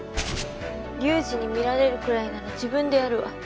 隆治に見られるくらいなら自分でやるわ。